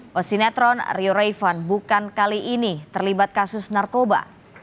pesinetron ryu raivan bukan kali ini terlibat kasus narkoba